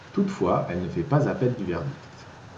Toutefois, elle ne fait pas appel du verdict.